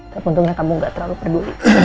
tak pentingnya kamu gak terlalu peduli